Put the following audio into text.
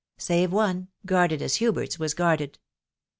save one, guarded as Hsbert'a mat guarded.